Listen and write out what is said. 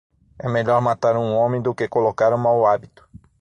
É melhor matar um homem do que colocar um mau hábito.